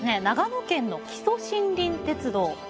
長野県の木曽森林鉄道。